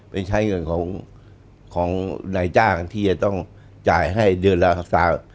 ไปใช้เงินของนายจ้างที่จะต้องจ่ายให้เดือนละสาม